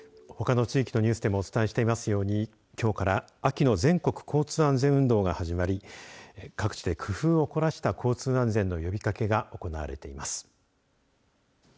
ほかの地域のニュースでもお伝えしていますようにきょうから秋の全国交通安全運動が始まり各地で工夫を凝らした交通安全の呼びかけが行われています。